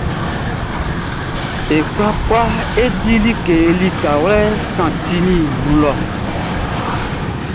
E kwlakwla e di like likawlɛ kantinʼn nun lɔ.